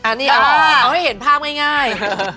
อันนี้เอาให้เห็นภาพง่าย